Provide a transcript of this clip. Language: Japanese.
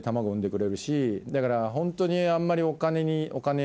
だからホントにあんまり。